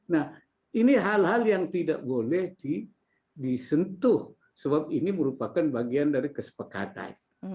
nah ini hal hal yang tidak boleh disentuh sebab ini merupakan bagian dari kesepakatan